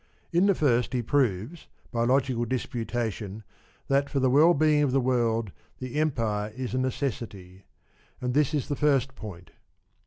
In the first, he proves, by logical disputation, that for the well being of the world the Empire is a necessity ; and this is the first point.